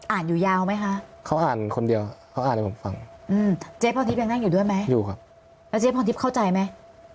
อยู่ยาวไหมคะเขาอ่านคนเดียวเขาอ่านให้ผมฟังอืมเจ๊พรทิพย์ยังนั่งอยู่ด้วยไหมอยู่ครับแล้วเจ๊พรทิพย์เข้าใจไหม